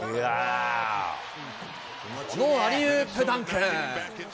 このアリウープダンク。